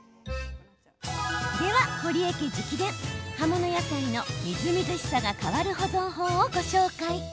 では、堀江家直伝葉物野菜のみずみずしさが変わる保存法をご紹介。